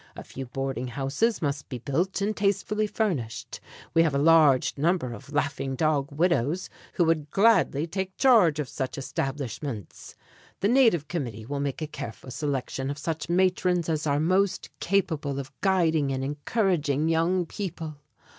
"A few boarding houses must be built and tastefully furnished. We have a large number of Laughing Dog widows, who would gladly take charge of such establishments. "The native committee will make a careful selection of such matrons as are most capable of guiding and encouraging young people.